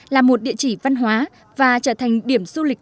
là một địa chỉ văn hóa và trở thành điểm du lịch